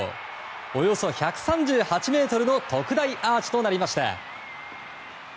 およそ１３８ｍの特大アーチとなりました。